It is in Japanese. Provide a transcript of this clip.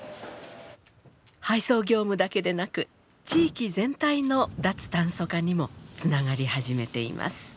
配送業務だけでなく地域全体の脱炭素化にもつながり始めています。